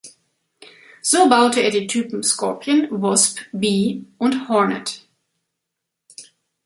So baute er die Typen Scorpion, Wasp, Bee und Hornet.